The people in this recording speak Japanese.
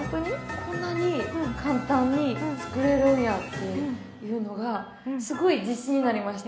こんなに簡単に作れるんやっていうのがすごい自信になりました。